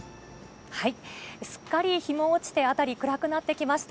すっかり日も落ちて、辺り、暗くなってきました。